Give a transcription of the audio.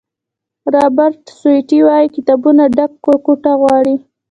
رابرټ سوټي وایي کتابونو ډکه کوټه غواړي.